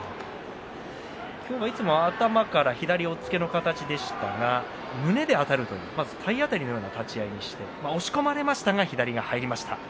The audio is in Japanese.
今日は、いつも頭から左押っつけの形でしたが胸であたるまず体当たりのような立ち合いにして押し込まれましたが左が入りました。